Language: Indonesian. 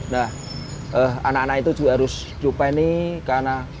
nah anak anak itu juga harus lupain nih karena